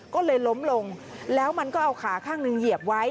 ก็เลยล้มลงแล้วมันก็เอาขาข้างหนึ่งเหยียบไว้